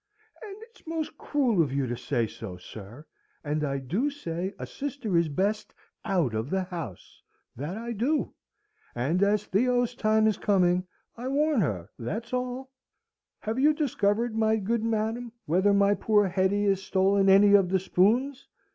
And it's most cruel of you to say so, sir. And I do say a sister is best out of the house, that I do! And as Theo's time is coming, I warn her, that's all." "Have you discovered, my good madam, whether my poor Hetty has stolen any of the spoons?